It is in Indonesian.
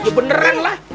iya beneran lah